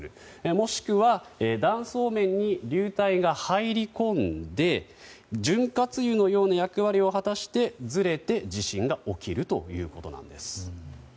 もしくは、断層面に流体が入り込んで潤滑油のような役割を果たしてずれて、地震が起きるということです。